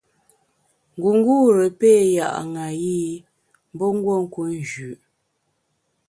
Ngungûre péé ya’ ṅayi mbe nguo nku njü.